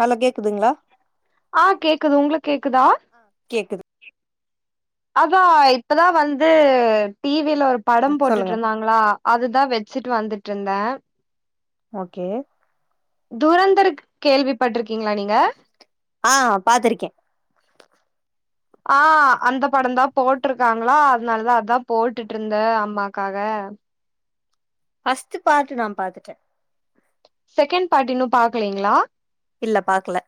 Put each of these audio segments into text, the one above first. நல்லா கேக்குதுங்களா ஆ கேக்குது உங்களுக் கேக்குதா கேக்குது அதா இப்பதா வந்து டி வில ஒரு படம் சொல்லுங்க போட்டுட்ருந்தாங் ஆ அதுதா வெச்சிட்டு வந்துட்ருந்தே ஓகே தூரந்தரு கேள்வி பட்டிருக்கீங்களா நீங் ஆ பாத்துருக்கே [inaudible] ஆ அந்த படந்தா போட்டிருக்காங்களா அதனாலதா அதா போட்டுட்ருந்தே அம்மாகாக ஃபர்ஸ்ட்டு நா பாத்துட்டே செகண்ட் பார்ட்டு இன்னு பாக்கலீங்களா இல்ல பாக்கல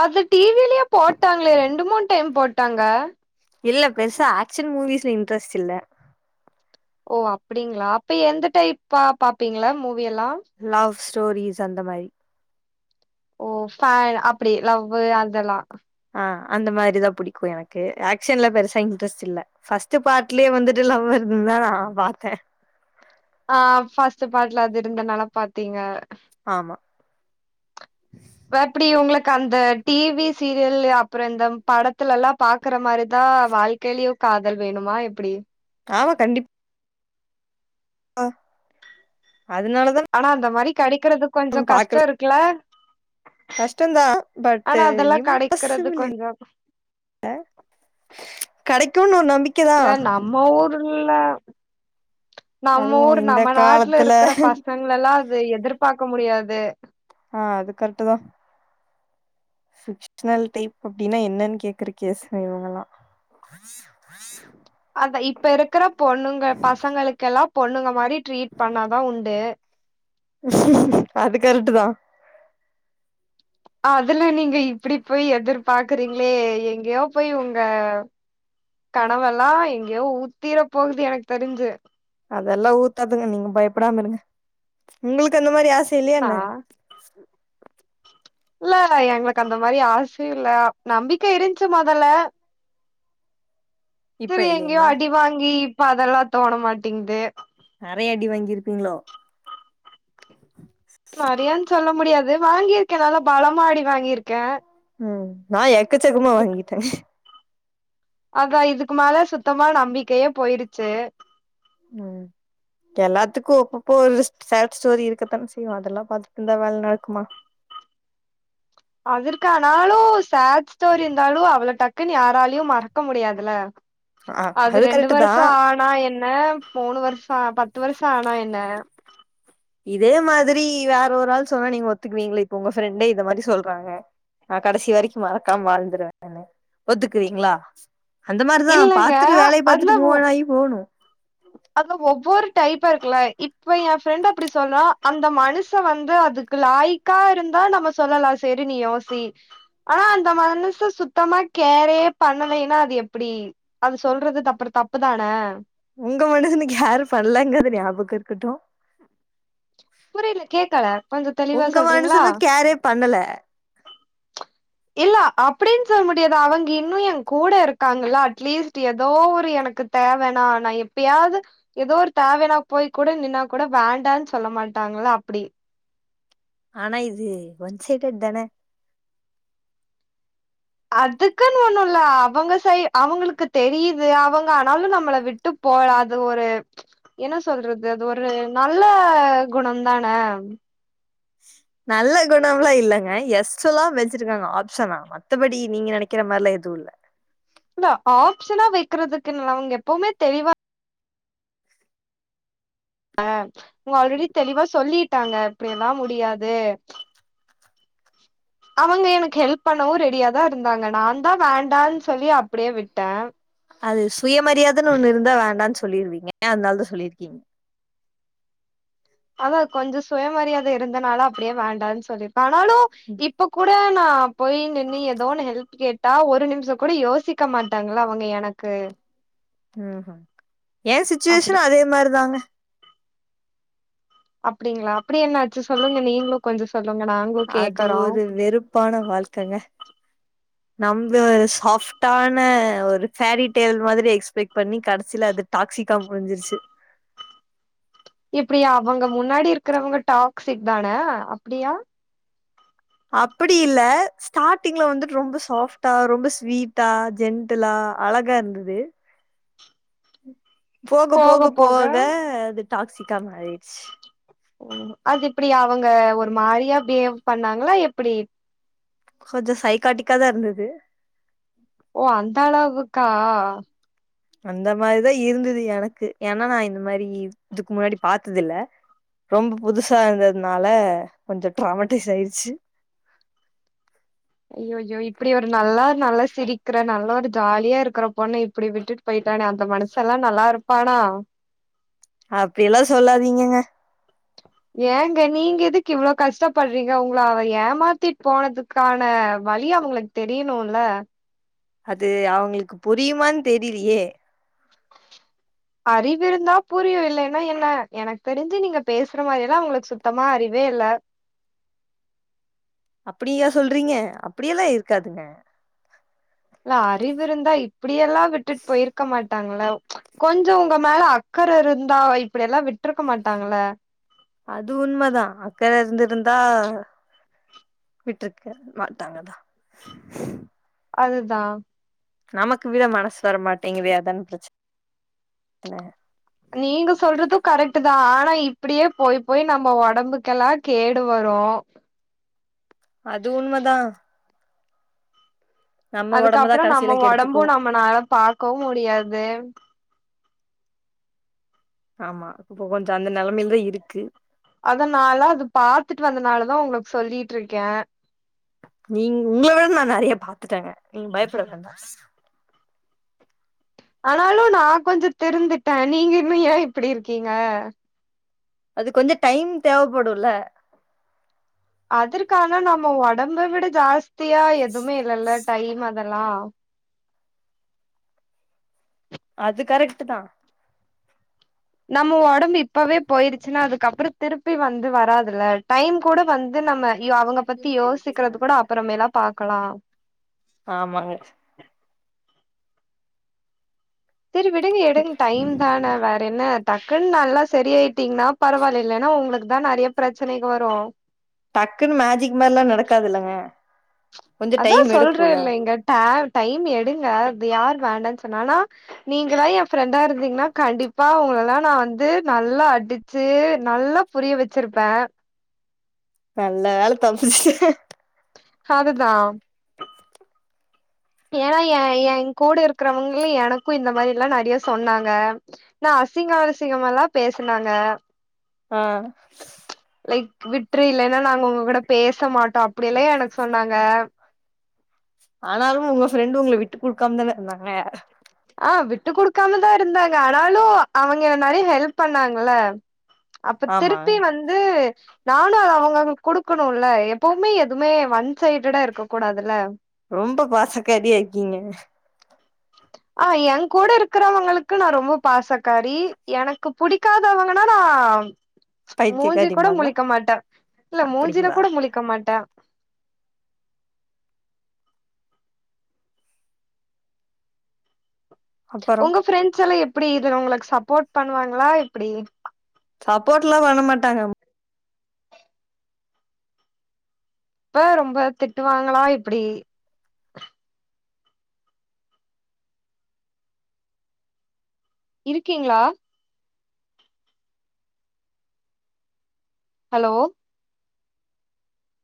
அது டி விலயே போட்டாங்களே ரெண்டு மூண் டைம் போட்டாங்க இல்ல பெருசா ஆக்சன் மூவிஸ்ல இன்ட்ரெஸ்ட் இல்ல ஓ அப்படிங்களா அப்ப எந்த டைப் பாப் பாப்பீங்களா மூவில்லா லவ் ஸ்டோரிஸ் அந்த மாரி ஓ பா அப்டி லவ்வு அதெல்லா ஆ அந்த மாரிதா புடிக்கு எனக்கு ஆக்ஷன்ல பெருசா இன்ட்ரெஸ்ட் இல்ல ஃபஸ்ட்டு பார்ட்லயே வந்துட்டு லவ் வருதுதா நா பாத்தே ஆ பஸ்ட்டு பார்ட்ல அது இருந்தனாலா பாத்தீங்க ஆமா இப்ப எப்டி உங்களுக்கு அந்த டி வி சீரியல் அப்பற இந்த படத்துலல்லா பாக்குற மாரிதா வாழ்க் கெளியவ் காதல் வேணுமா எப்டி ஆமா கண்டிப் அ அதனாலதா ஆனா அந்த மாரி கெடைக்கறது நா கொஞ்ச கஷ்ட பாக்கல இருக்குல கஷ்டந்தா பட்டு கெடைக்கிறது இம்பசிபில்லி கொஞ்சோ கெடைக்கும்னு ஒரு நம்பிக் இல்ல நம்ம ஊர்ல்லா நம்ம அதுவு ஊர் இந்த நம்ம நாட்டுல காலத்துல இருக்கிற பசங் இவங்கலெல்லா அது எதிர்பாக்க முடியாது ஆ அது கரெக்டு தா சுச்னல் டைப் அப்டின்னா என்னன்னு கேக்குறக்க கேசுங்க இவங்கெல்லா அத இப்ப இருக்கற பொண்ணுங்க பசங்களுக்கெல்லா பொண்ணுங்க மாரி ட்ரீட் பண்ணாதா உண்டு அது கர்க்ட்டு தா அதுல்லா நீங்க இப்டி போய் எதிர்பாக்றீங்ளே எங்கேயோ போய் உங்க கனவெல்லா எங்கேயோ ஊத்திர போகுது எனக்கு தெரிஞ்சு அதெல்லா ஊத்தாதுங்க நீங்க பயப்படாம இருங்க உங்களுக்கு அந்த மாரி ஆசை இல்லையா நா என்ன இல்ல எங்களுக்கு அந்த மாரி ஆசையு இல்ல நம்பிக்கை இருந்துச்சு முதல்ல இப்ப செரி எங்யோ இல்லைங்களா அடி வாங்கி இப்ப அதெல்லா தோண மாட்டிங்குது நெறைய அடி வாங்கியிருப்பீங்ளோ நெறையான் சொல்ல முடியாது வாங்கிக்கே நல்லா பலமா அடி வாங்கிருக்கே ம் நா எக்கச்சக்மா வாங்கிட்டே அத இதுக்கு மேல சுத்தமா நம்பிக்கையே போயிருச்சு ம் எல்லாத்துக்கு அப்பப்போ ஒரு சேட் ஸ்டோரி இருக்கத்தா செய்யு அதெல்லா பாத்திட்டுருந்தா வேல நடக்குமா அதற்கானாலு சேட் ஸ்டோரி இருந்தாலு அவள டக் க்குனு யாராலயு மறக்க முடியாதுல ஆ அது ரெண்டு கரெக்ட் தா வர்ஷோ ஆ னா என்ன மூணு வர்ஷோ பத்து வர்ஷோ ஆனா என்ன இதே மாதிரி வேற ஒரு ஆள் சொன்னா நீங்க ஒத்துக்குவீங்ள இப்ப உங்க ஃப்ரெண்டே இந்த மாதிரி சொல்றாங்க நா கடைசி வரைக்கு மறக்காம வாழ்ந்துருவேன் நானு ஒத்துக்குவீங்ளா அந்த மாரிதா இல்லங்க பாத்துட்டு வேலைய பாத்துட்டு மூவணாகி போணு அதுல ஒவ்வொரு டைப்பா இருகுல்ல இப்ப எ ஃப்ரெண்ட்டு அப்டி சொல்லு அந்த மனுச வந்து அதுக் குலாய்கா இருந்தா நம்ம சொல்லலா சேரி நீ யோசி ஆனா அந்த மனுச சுத்தமா கேரே பண்ணலைன்னா அது எப்டி அது சொல்றது தப்ற தப்பு தானே உங்க மனுசனுக்கு யார் பண்ணலங்றது ஞாபக இருக்கட்டு புரியல கேக்கல கொஞ்சோ தெளிவா உங்க சொல்றீங்ளா மனுசனு கேரே பண்ணல இல்ல அப்டின் சொல்முடியாது அவங்க இன்னு எ கூட இருக்காங்கல அட்லீஸ்ட் எதோ ஒரு எனக்குத் தேவென நா எப்பயாது எதோ ஒரு தேவைனா போய் கூட நின்னா கூட வேண்டான் சொல்ல மாட்டாங்ளா அப்டி ஆனா இது ஒன்சைட்டட்டு தானே அதுக்குன்னு ஒண்ணுல்ல அவங்க சை அவுங்ளுக்கு தெரியுது அவுங்க ஆனாலு நம்மள விட் ட்டு போல அது ஒரு என்ன சொல்றது அது ஒரு நல்ல குணந்தானே நல்ல குணம்ல்லா இல்லங்க எஸ்ட்ல்லா வச்சிருக்காங்க ஆப்ஷனா மத்தபடி நீங்க நெனைக்கிற மார்ல்லா எது இல்ல இல்ல ஆப்ஷனா வைக்கிறதுக்கு நா அவங்க எப்வுமே தெளிவா ஆ உங்க ஆல்ரெடி தெளிவா சொல்லிட்டாங்க அப்டியெல்லா முடியாது அவங்க எனக்கு ஹெல்ப் பண்ணவு ரெடியா தா இருந்தாங்க நாதா வேண்டான் சொல்லி அப்டியே விட்டே அது சுயமரியாதன் ஒண்ணு இருந்தா வேண்டான் சொல்லிருவீங்க அதனாலதா சொல்லிருக்கீங்க அதா கொஞ்சோ சுயமரியாதை இருந்தனால அப்டியே வேண்டான் சொல்லியிருப்பே ஆனாலு இப்ப கூட நா போய் நின்னு எதோன்னு ஹெல்ப் கேட்டா ஒரு நிமிஷம் கூட யோசிக்க மாட்டாங்ள அவுங்க எனக்கு ம் ஏ அப்டி சிச்சுஏஷன் அதேமார் தாங்க அப்டிங்களா அப்டி என்னாச்சு சொல்லுங்க நீங்ளு கொஞ்ச சொல்லுங்க நா அது ஒரு வெறுப்பான வாழ்க்கங்க நம்ள சாஃப்ட்டான ஒரு ஃபாரி டெய்ல் மாதிரி எக்ஸ்பெக்ட் பண்ணி கடைசில அது டாக்ஸிகா முடுஞ்சிச்சு இப்டி அவங்க முன்னாடி இருக்கிறவங்க டாக்சிக் தானே அப்டியா அப்புடி இல்ல ஸ்டாட்டிங்ல வந்துட்டு ரொம்ப சாஃப்டா ரொம்ப ஸ்வீட்டா ஜென்ட்டுலா அழகா இருந்தது போகப்போக போக அது டாக்சிகா மாரிட்ச் ம் அது எப்டி அவுங்க ஒரு மாரியா பிஹேவ் பண்ணாங்ளா எப்புடி கொஞ்ச சைகாட்டிக்கா தா இருந்தது ஓ அந்த அளவுக்கா அந்த மாதிதா இருந்தது எனக்கு ஏன்னா நா இந்த மாரி இதுக்கு முன்னாடி பாத்தது இல்ல ரொம்ப புதுசா இருந்ததுனால கொஞ்சோ ட்ராமட்டீஸ் ஆய்டுச்சு ஐயய்யோ இப்புடி ஒரு நல்லா நல்லா சிரிக்கிற நல்லா ஒரு ஜாலியா இருக்கற பொண்ண இப்புடி விட்டுட் போயிட்டானே அந்த மனுசல்லா நல்லா இருப்பானா அப்டில்லா சொல்லாதீங்கங்க ஏங்க நீங்க எதுக்கு இவ்ளோ கஷ்டப்படுறீங்க உங்கள அவ ஏமாத்திட் போனதுக்கான வலி அவங்கள தெரியணுல அது அவங்களுக்கு புரியுமான்னு தெரியலயே அறிவு இருந்தா புரியு இல்லேன்னா என்ன எனக்கு தெரிஞ்சு நீங்க பேசுற மாரில்லா அவங்களுக்கு சுத்தமா அறிவே இல்ல அப்புடியா சொல்றீங்க அப்புடியெல்லா இருக்காதுங்க இல்ல அறிவு இருந்தா இப்படியெல்லா விட்டுட் போயிருக்க மாட்டாங்கல்ல கொஞ்சோ உங்க மேல அக்கற இருந்தா இப்படியெல்லா விட்டருக்க மாட்டாங்கல்ல அது உண்மதா அக்கற இருந்திருந்தா விட்டுருக்க மாட்டாங்கதா அதுதா நமக்கு விட மனசு வரமாட்டேங்குதே அதான்னே பிரச்சன நீங்க சொல்றதும் கரெக்ட் தா ஆனா இப்பிடியே போய் போய் நம்ப உடம்புக்கெல்லா கேடு வரு அது உண்மதா நம்ம ஒடம்பதா அதுக்கப்புறோ நம்ம கடைசில ஒடம்பு கெடுத்துக்குவோ நம்மனால பாக்கவு முடியாது ஆமா இப்ப கொஞ்சோ அந்த நெலமேல தா இருக்கு அதனால அது பாத்துட்டு வந்தனால தா உங்களுக்கு சொல்லிட் இருக்கே நீங் உங்கள விட நா நெறய பாத்துட்டேங்க நீங்க பயப்பட வேண்டா ஆனாலு நா கொஞ்ஜோ திரிந்திட்டே நீங்க இன்னு ஏன் இப்பிடி இருக்கீங்க அது கொஞ்ஜோ டைம் தேவப்படுல்ல அதற்கான நம்ப ஒடம்ப விட ஜாஸ்தியா எதுமே இல்லல்ல டைம் அதெல்லா அது கரெக்ட்டு தா நம்ம ஒடம்பு இப்பவே போயிருச்சுன்னா அதுக்கப்புறோ திருப்பி வந்து வராதுல டைம் கூட வந்து நம்ம யோ அவங்க பத்தி யோசிக்கிறது கூட அப்புறமேலா பாக்கலா ஆமாங்க சரி விடுங்க எடுங் டைம் தானே வே என்ன டக்குன்னு நல்லா சரி ஆயிட்டீங்கன்னா பரவாயில்ல இல்லன்னா உங்களுக்கு தா நெறய பிரச்சனைக வரும் டக்குன்னு மேஜிக் மார்ல்லா நடக்காதுல்லங்க கொஞ்சோ அதா டைம் எடுக்குல்ல சொல்றல்ல இங்க ட டைம் எடுங்க அது யார் வேண்டான் சொன்னா ஆனா நீங்கல்லா எ ஃப்ரெண்டா இருந்தீங்ன்னா கண்டிப்பா உங்களல்லா நா வந்து நல்லா அடிச்சு நல்லா புரிய வச்சிருப்ப நல்ல வேல தப்புச்சுட்ட ஹதுதா ஏன்னா எ எ கூட இருக்கிறவங்களே எனக்கூ இந்த மாரில்லா நறைய சொன்னாங்க நா அசிங்க‌ அசிங்கமால்லா பேசுனாங்க ஆ லைக் விட்ரு இல்லேனா நாங்க உங்க கூட பேச மாட்டோ அப்டியெல்லா எனக்கு சொன்னாங்க ஆனாலு உங்க ஃபிரெண்டு் உங்கள விட்டு குடுக்காம தான இருந்தாங்க ஆ விட்டு குடுக்காமதா இருந்தாங்க ஆனாலு அவங்க என் நெறைய ஹெல்ப் பண்ணாங்கல்ல அப்ப ஆமா திருப்பி வந்து நானு அத அவங்களுக்கு குடுக்குணுல்ல எப்பவுமே எதுமே ஒன் சைடடா இருக்க கூடாதுல ரொம்ப பாசக்காரியா இருக்கீங்க ஆ என் கூட இருக்கிறவங்களுக்கு நா ரொம்ப பாசக்காரி எனக்குப் புடிக்காதவங்கன்னா நா மூஞ்சி கூட பைத்தியக்காரிம்பாங்களா முழிக்க மாட்ட இல்ல மூஞ்சில அப்டிங்களா கூட முழிக்க மாட்ட அப்பறோ உங்க ஃபிரெண்ட்ஸ் எல்லா எப்டி இதுல உங்களுக்கு சப்போர்ட் பண்ணுவாங்ளா எப்புடி சப்போட்லா பண்ணமாட்டாங்க இப்ப ரொம்ப திட்டுவாங்களா எப்பிடி இருக்கிங்ளா ஹலோ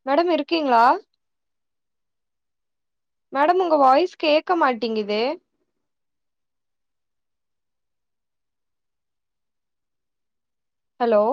மேடம் இருக்கிங்ளா மேடம் உங்க வாய்ஸ் கேக்க மாட்டிங்குது ஹலோ